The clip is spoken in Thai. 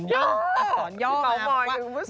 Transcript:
พี่ปาวมอยคือคนปัวสอง